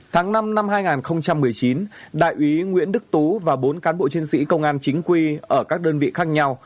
tháng năm năm hai nghìn một mươi chín đại úy nguyễn đức tú và bốn cán bộ chiến sĩ công an chính quy ở các đơn vị khác nhau